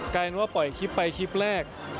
กลายเป็นว่าปล่อยคลิปไปคลิปแรก